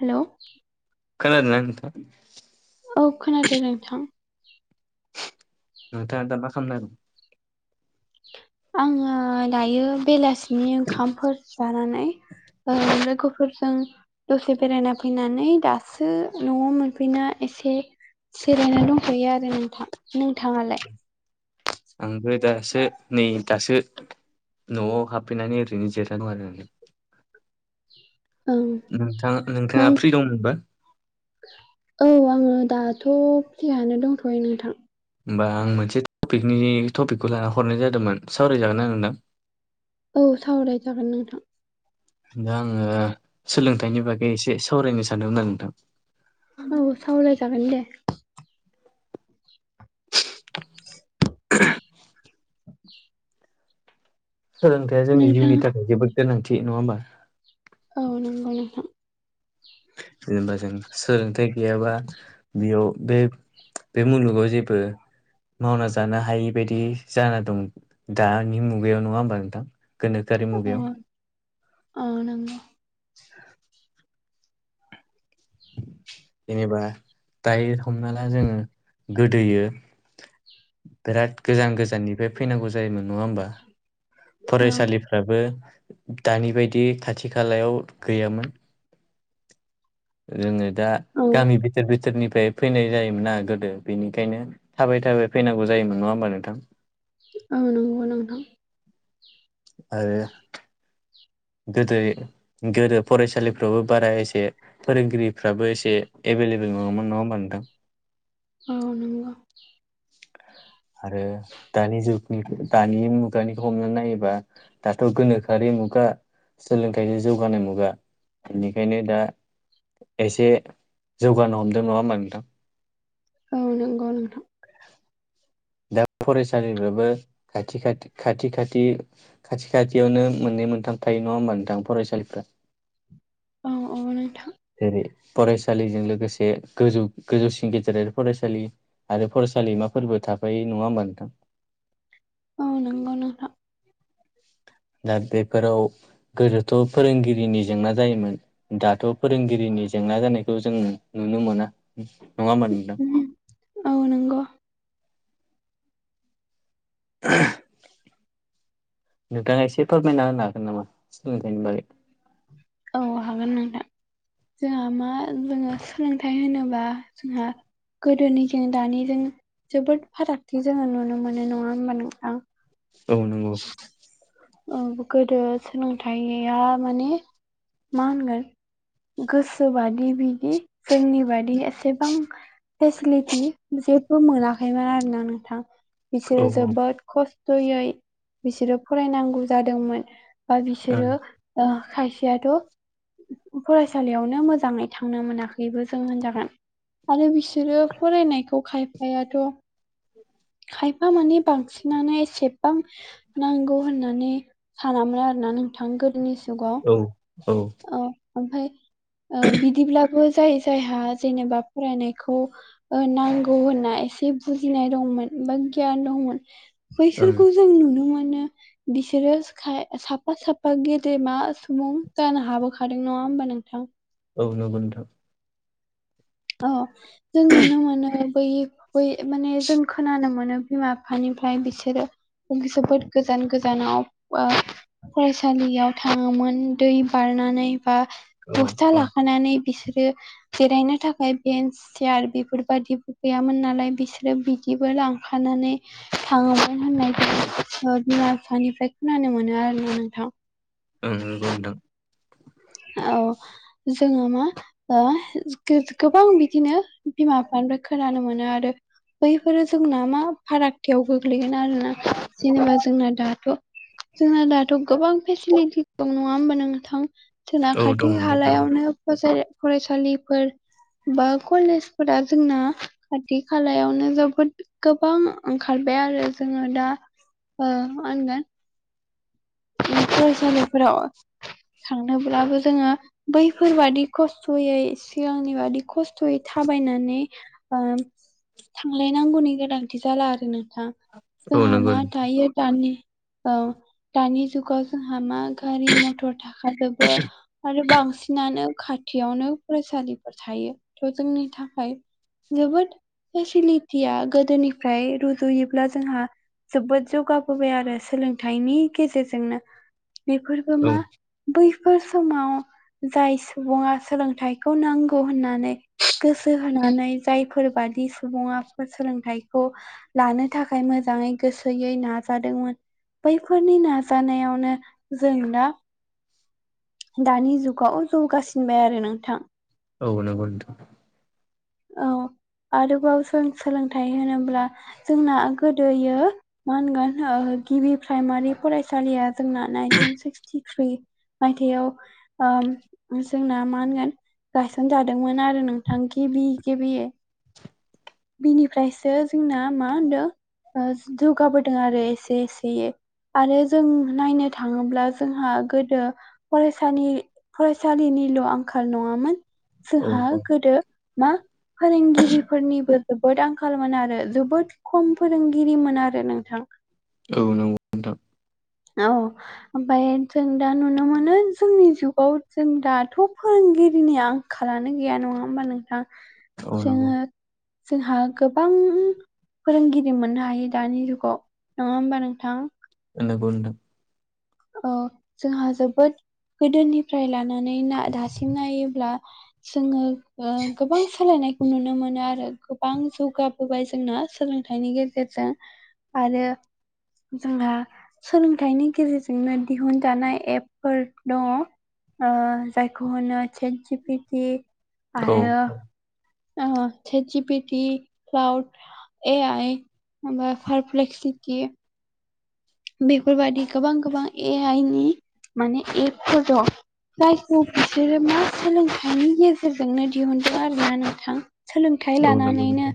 Hello खोनादोना नोंथां? औ खोनादों नोंथां नोंथाङा दा मा खालामनो आंङो दायो बेलासिनि ओंखामफोर जानानै ओ लोगोफोरजों दसे बेरायना फैनानै दासो न'आव मोनफैना एसे सोलायना दंथ'यो आरो नोंथां। नोंथाङालाय? आंबो दासो नै दासो न'आव हाबफैनानै ओरैनो जिरायना दं आरो नों ओं नोंथां मा नोंथाङा फ्रि दंङमोनबा? औ आंङो दाथ' फ्रियानो दंथ'यो नोंथां। होमबा आं मोनसे टपिकनि टपिकखौ लाना हरनाय जादोंमोन सावरायजागोना नोंदा औ सावराय जागोन नोंथां। दा आंङो सोलोंथाइनि बागै एसे सावरायनो सानदोंमोन आरो नोंथां। औ सावराय जागोन दे। [inaudible] सोलोंथाइया जोंनि नोंथां जिउनि थाखाय जोबोद गोनांथि नङा होमबा? औ नोंगौ नोंथां। जेनेबा जों सोलोंथाइ गैयाबा बेयाव बे बे मुलुगाव जेबो मावना जानो हायि बायदि जाना दं दानि मुगायाव नङा होमबा नोंथां? गोनोखोआरि मुगायाव अ नंगौ [inaudible] जेनेबा दायो हमना ला जोंङो गोदोयो बिराद गोजान गोजाननिफ्राय फैनांगौ जायोमोन नङा होमबा औ फरायसालि फोराबो दानि बायदि खाथि खालायाव गैयामोन। रोंङो दा औ मि बिथोर बिथोरनिफ्राय फैनाय जायोमोना गोदो बिनिखायनो थाबाय थाबाय फैनांगौ जायोमोन नङा होमबा नोंथां? औ नंगौ नोंथां। आरो गोदो-गोदो फरायसालिफ्रावबो बारा एसे फोरोंगिरिफ्राबो एसे एभेलेबेल नङामोन नङा होमबा नोंथां? औ नंगौ आरो दानि जुग दानि मुगानिखौ हमना नायोबा दाथ' गोनोखोआरि मुगा सोलोंथाइजों जौगानाय मुगा बेनिखायनो दा एसे जौगानो हमदों नङा होमबा नोंथां? औ नंगौ नोंथां [inaudible] दा फरायसालिफ्राबो खाथि खा खाथि खाथि खाथि खाथियावनो मोननै मोनथाम थायो नङा होमबा नोंथां फरायसालिफ्रा औ औ नोंथां जेरै फरायसालिजों लोगोसे गोजौ गोजौसिं गेजेरारि फरायसालि आरो फरायसालिमाफोरबो थाफायो नङा होमबा नोंथां? औ नंगौ नोंथां दा बेफोराव गोदोथ' फोरोंगिरिनि जेंना जायोमोन दाथ' फोरोंगिरिनि जेंना जानायखौ जों नुनो मोना नङा होमबा नोंथां? औ नंगौ नोंथाङा एसे फोरमायना होनो हागोन नामा सोलोंथाइनि बागै औ हागोन नोंथां जोंहा मा जोङो सोलोंथाइ होनोबा जोंहा गोदोनिजों दानिजों जोबोद फारागथि जोङो नुनो मोनो नङा होमबा नोंथां? औ नंगौ औ गोदो सोलोंथाइया माने मा होनगोन गोसोबादि बिदि जोंनि बादि एसेबां फेसिलिटि जेबो मोनाखैमोन आरोना नोंथां औ बिसोरो जोबोद खस्थ'यै बिसोरो फरायनांगौ जादोंमोन बा बिसोरो ओ खायसेयाथ' फरायसालियावनो मोजाङै थांनो मोनाखैबो जों होनजागोन आरो बिसोरो फरायनायखौ खायफायाथ' खायफा माने बांसिनानो एसेबां नांगौ होनना नि सानामोन आरोना नोंथां गोदोनि औ औ औ ओमफाय ओ बिदिब्लाबो जाय जायहा जेनेबा फरायनायखौ ओ नांगौ होनना एसे बुजिनाय दंमोन बा गियान दंमोन बैसोरखौ जों नुनो मोनो बिसोरो खाय साफा साफा गेदेमा सुबुं जानो हाबोखादों नङा होमबा नोंथां? औ नंगौ नोंथां औ जों नुनो मोनो बै बै माने जों खोनानो मोनो बिमा बिफानिफ्राय बिसोरो जोबोद गोजान गोजानाव ओ फरायसालियाव थाङोमोन दै बारनानै बा औ बस्था औ लाखानानै बिसोरो जिरायनो थाख ओमफाय बेन्स सियार बेफोरबायदिबो गैयामोन नालाय बिसोरो बिदिबो लांफानानै थाङोमोन होननाय जों ओ बिमा बिफानिफ्राय खोनानो मोनो आरोना नोंथां ओम नंगौ नोंथां औ जोङो मा ओ गो-गोबां बिदिनो बिमा बिफानिफ्राय खोनानो मोनो आरो बैफोरो जोंना मा फाराग थायाव गोग्लैगोन आरोना जेनेबा जोंना दाथ' जोंना दाथ' गोबां फेसिलिटि दं नङा होमबा नोंथां जोंना औ दं खाथि नोंथां खालायावनो फसाय फरायसालिफोर बा कलेजफोरा जोंना खाथि खालायावनो जोबोद गोबां ओंखारबाय आरो जोङो दा ओ मा होनगोन उम फरायसालिफोराव थांनोब्लाबो जोङो बैफोर बादि खस्थ'यै सिगांनि बादि खस्थ'यै थाबायनानै ओम‌ थांलायनांगौनि गोनांथि जाला आरो नोंथां औ जोंहा नंगौ मा थायो दानि औ दानि जुगाव जोंहा मा गारि मथर थाखाजोबो आरो बांसि सिनानो खाथियावनो फरायसालिफोर थायो थ' जोंनि थाखाय जोबोद फेसिलिटिया गोदोनिफ्राय रुजुयोब्ला जोंहा जोबोद जौगाबोबाय आरो सोलोंथाइनि गेजेरजोंनो बेफोरबो औ मा बैफोर समाव जाय सुबुङा सोलोंथाइखौ नांगौ होननानै गोसो होनानै जायफोरबादि सुबुंङा सोलोंथाइखौ लानो थाखाय मोजाङै गोसोयै नाजादोंमोन बै फोरनि नाजानायावनो जों दा दानि जुगाव जौगासिनबाय आरो नोंथां औ नगथ औ आरोबाव जों सोलोंथाइ होनोब्ला जोंना गोदोयो मा होनगोन गिबि प्राइमारि फरायसालिया जोंना नाइनटिन सिक्सटिथ्रि मायथयाव ओम जोंना मा होनगोन गायसनजादोंमोन आरो नोंथां कि बि गबियो बिनिफ्रायसो जोंना मा होनदों ओ जौगाबोदों आरो एसे एसे आरो जों नायनो थाङोब्ला जोंहा गोदो फरायसानि फरायसालिनिल' आंखाल नङामोन। औ जोंहा गोदो मा फोरोंगिरिफोरनिबो जोबोद आंखालमोन आरो जोबोद खम फोरोंगिरिमोन आरो नोंथां औ नंगौ नोंथां औ ओमफाय जों दा नुनो मोनो जोंनि जुगाव जों दाथ' फोरोंगिरिनिया खारानो गैया नङा होमबा नोंथां नंगौ जोङो नंगौ जोंहा गोबां फोरोंगिरि मोननो हायो दानि जुगाव नङा होमबा नोंथां? ओ नंगौ नोंथां औ जोंहा जोबोद गोदोनिफ्राय लानानै ना दासिम नायोब्ला जोङो ओ गोबां सोलायनायखौ नुनो मोनो आरो गोबां जौगाब- हबाय जोंना सोलोंथाइनि गेजेरजों आरो जोंहा सोलोंथाइनि गेजेरजोंनो दिहुनजानाय एपफोर दङ। ओ जायखौ होनो चेटजिपिथि नोंथां औ आरो आं ओ चेटजिपिटि फ्लाउद एआइ बा पारप्लेक्सिटी बेफोरबायादि गोबां गोबां ए आइ नि माने एफोर दं। प्रायचखौ बिसोरो मा सोलोंथाइनि गेजेरजोंनो दिहुनदों आरो ना नोंथां। सोलोंथाइ औ नंगौ लानानैनो नोंथां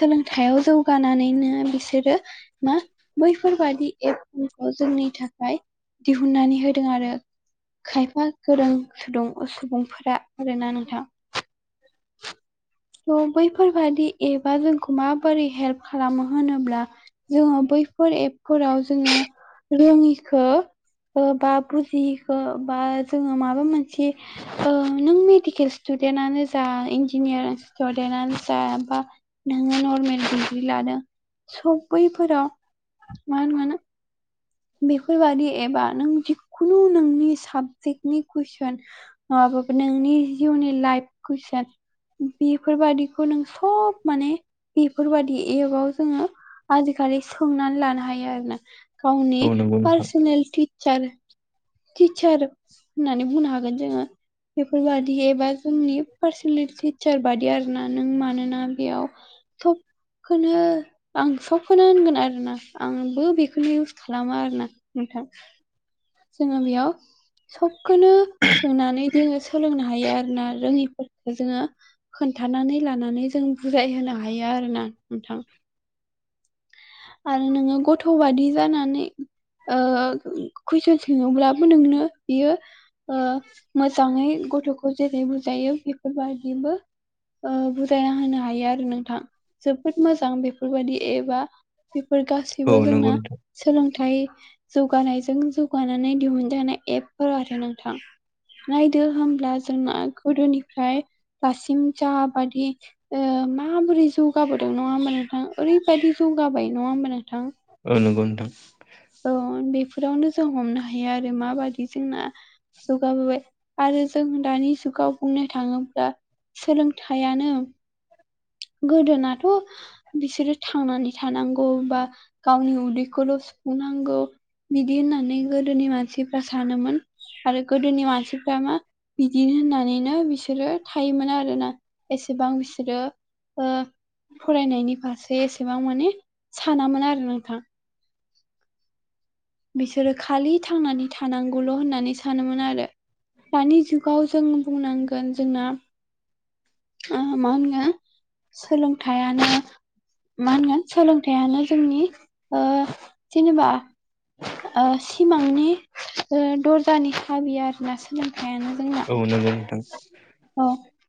सोलोंथायाव जौगानानैनो बिसोरो मा बैफोरबादि एप मुं खौ जोंनि थाखाय दिहुननानै होदों आरो खायफा गोरों सुदुं ओ सुबुंफोरा आरोना नोंथां। थ' बैफोरबादि एप आ जोंखौ माबोरै हेल्प खालामो होनोब्ला जोङो बैफोर एपफोराव जोङो रोङिखो ओ बा बुजिखो बा जोङो माबा मोनसे ओ नों मेडिकेल स्टुडेन्तनो जा इन्जिनियारिं स्टुदेन्टनानो जा बा नोङो नर्मेल डिग्रि लादों। स बैफोराव मान मोनो बेफोरबादि एबा नों जिखुनु नोंनि साबजेक्टनि कुइसन माबाबो नोंनि जिउनि लाइफ कुइसन बेफोरबादिखौ नों हब माने बिब बेफोरबायाददि एपाव जोङो आजिखालि सोंनानै लानो हायो आरोना गावनो औ नंगौ नोंथां पारसेनेल टिचार टिचार होननानै बुंनो हागोन जोङो। बेफोरबादि एप आ जोंनि पार्सनेल टिचार बादि आरोना नों मानोना बेयाव थबखौनो आं सबखौनो होनगोन आरोना आंबो बेखौनो इउस खालामो आरोना नोंथां। जोङो बेयाव सबखोनो सोनानै जोङो सोलोंनो हायो आरोना रोङिफोरखौ जोङो खोन्थानानै लानानै जों बुजायहोनो हायो आरो ना नोंथां। आरो नोङो गथ' बादि जानानै ओ कुइसन सोङोब्लाबो नोंनो बियो ओ मोजाङै गथ'खौ जेरै बुजायो बेफोरबादिबो ओ बुजायना होनो हायो आरो नोंथां जोबोद मोजां बेफोरबायदि एप आ बेफोर औ गासैबो जोंना नंगौ नोंथां औ नंगौ सोलोंथाइ जौगानायजों जौगानानै दिहुनजानाय एपफोर आरो नोंथां। नायदो होमब्ला जोंना गोदोनिफ्राय दासिम जा बादि ओ माबोरै जौगाबोदों नङा होमबा नोंथां ओरैबायदि जौगाबाय नङा होमबा नोंथां। ओ नोंगौ नोंथां। औ बेफोरावनो जों हमनो हायो आरो माबादि जोंना जौगाबोबाय आरो जों दानि जुगाव बुंनो थाङोब्ला सोलोंथायानो गोदोनाथ' बिसोरो थांनानै थानांगौ बा गावनि उदैखौल' सुफुंनांगौ बिदि होननानै गोदोनि मानसिफ्रा सानोमोन आरो गोदोनि मानसिफ्रा मा बिदि होननानैनो बिसोरो थायोमोन आरोना एसेबां बिसोरो ओ फरायनायनि फारसे एसेबां माने सानामोन आरो नोंथां। बिसोरो खालि थांनानै थानांगौल' होननानै सानोमोन आरो। दानि जुगाव जों बुंनांगोन जोंना ओ मा होनगोन सोलोंथाइआनो मा होनगोन सोलोंथाइयानो जोंनि ओ जेनेबा ओ सिमांनि ओ दरजानि साबिया आरोना सोलोंथाइयानो जों औ नोंगौ नोंथां। औ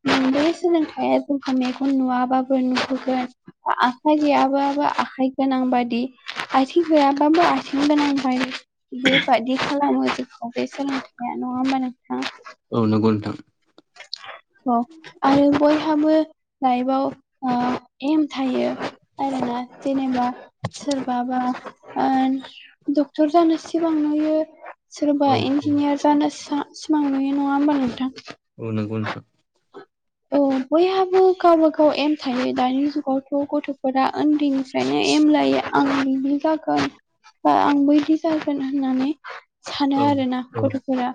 नों बे सोलोंथाइआ जौगानायखौ नुवाबाबो नुहोगोन आखाइ गैयाबाबो आखाइ गोनां बादि आथिं गैयाबाबो आथिं गोनां बाय बेबायदि खालामो जोंखौ बे सोलोंथाया नङा होमबा नोंथां। औ नंगौ नोंथां। औ आरो बयहाबो लाइफआव ओ एम थायो। आरोना जेनेबा सोरबाबा ओ डक्टर जानो सिबां नुयो सोरबा औ औ इन्जिनियार जानो सा सिमां नुयो नङा होमबा नोंथां? औ नोंगौ नोंथां। औ बयहाबो गावबा गाव एम थायो दानि जुगावथ' गथ'फोरा ओन्दै फ्रायनो एम लायो आं बिदि जागोन बा आं बैदि जागोन होननानै सानो औ आरो ना औ गथ'फोरा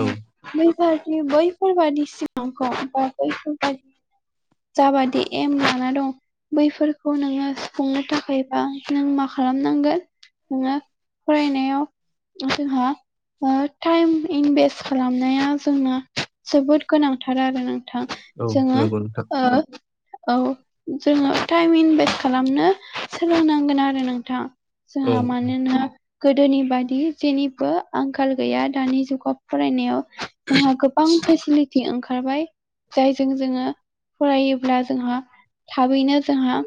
औ [unintelligible] बैफोरबादि सिमांखौ बैफोरबादि [unintelligible] जाबादि एम लाना दं। बैफोरखौ नोङो सुफुंनो थाखायबा नों मा खालामनांगोन नोङा फरायनायाव ओं जोंहा ओ टाइम इनभेस्ट खालामनाया जोंना जोबोद गोनांथार आरो नों थां औ जोङो नंगौ नोंथां ओ औ जोङो टाइम इनभेस्ट खालामनो सोलोंनांगोन आरो नोंथां। औ जाहा मानोना गोदोनि बादि जेनिबो आंखाल गैया दानि जुगाव फरायनायाव। जोंहा गोबां फेसिलिटि ओंखारबाय जायजों जोङो फरायोब्ला जोंहा थाबैनो जोंहा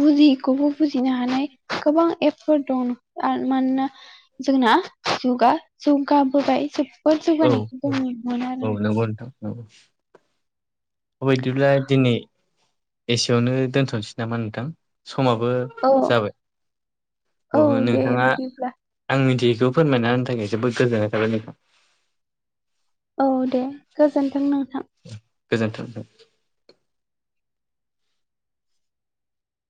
बुजियिखौबो बुजिनो हानाय गोबां एपफोर दं आर मानोना जोंना जुगा जौगाबोबाय जोबोद औ जौगानायखौ जों नुनो मोनो आरो। नंगौ औ अ बेदिब्ला दिनै एसेयावनो दोनथ'सै नामा नोंथां समाबो औ जाबाय औ अ दे नोंथाङा बिदिब्ला आं मिथियैखौ फोरमायना होनो थाखाय जोबोद गोजोननाय थाबाय नोंथां। औ दे गोजोन्थों नोंथां। गोजोन्थों।